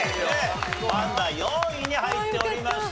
パンダ４位に入っておりました。